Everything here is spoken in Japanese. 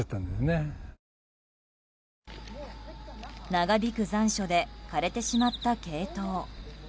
長引く残暑で枯れてしまったケイトウ。